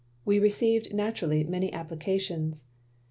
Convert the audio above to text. We received, naturally, many applications.